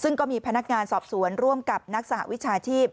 ซึ่งก็มีพนักงานสอบสวนร่วมกับนักสหวิชาชีพ